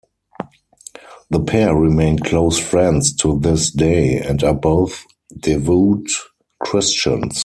The pair remain close friends to this day, and are both devout Christians.